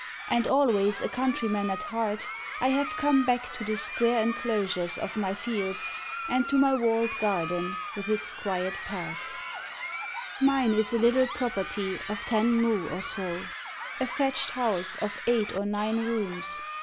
And always a countryman at heart, I have come back to the square enclosures of my fields And to my walled garden with its quiet paths. Mine is a little property of ten mou or so, A thatched house of eight or nine rooms.